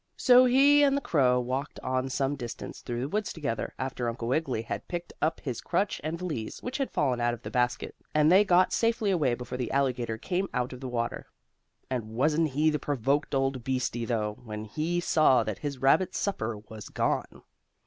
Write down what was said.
So he and the crow walked on some distance through the woods together, after Uncle Wiggily had picked up his crutch and valise, which had fallen out of the basket, and they got safely away before the alligator came out of the water. And wasn't he the provoked old beastie, though, when he saw that his rabbit supper was gone?